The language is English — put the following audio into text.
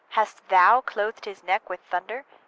hast thou clothed his neck with thunder?